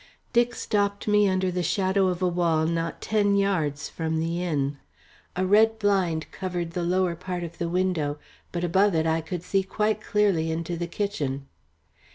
Dick stopped me under the shadow of a wall not ten yards from the inn. A red blind covered the lower part of the window, but above it I could see quite clearly into the kitchen.